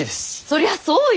そりゃそうよ。